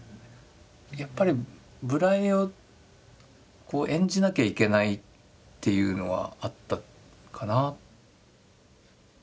やっぱり無頼を演じなきゃいけないっていうのはあったかな。